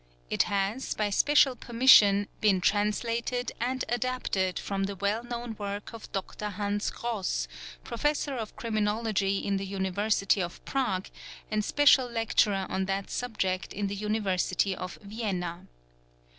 It has, by special permission, been translated and adapted from the well known work of Dr. Hans Gross, _ Professor of Criminology in the University of Prag and special lecturer : on that subject in the University of Vienna.